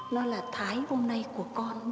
nó là thái hôm nay của con đây